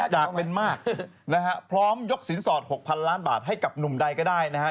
อยากเป็นมากนะฮะพร้อมยกสินสอด๖๐๐๐ล้านบาทให้กับหนุ่มใดก็ได้นะฮะ